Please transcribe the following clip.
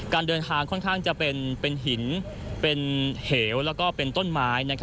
การเดินทางค่อนข้างจะเป็นหินเป็นเหวแล้วก็เป็นต้นไม้